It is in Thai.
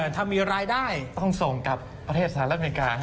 ถ้ามีรายได้ต้องส่งกับประเทศสหรัฐอเมริกา